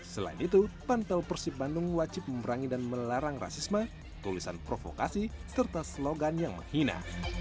selain itu pantel persib bandung wajib memberangi dan melarang rasisme tulisan provokasi serta slogan yang menghina